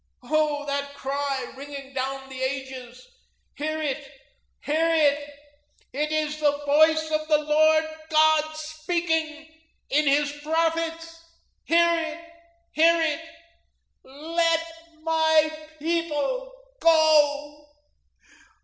Oh, that cry ringing down the ages. Hear it, hear it. It is the voice of the Lord God speaking in his prophets. Hear it, hear it 'Let My people go!'